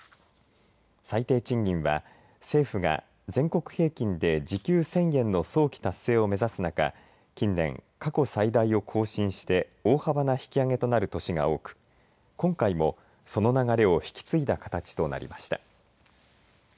最低賃金は政府が全国平均で時給１０００円の早期達成を目指す中近年、過去最大を更新して大幅な引き上げとなる都市が多く今回も、その流れを引き継いだ形となりました。